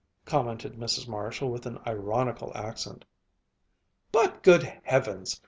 commented Mrs. Marshall, with an ironical accent. "But, good Heavens!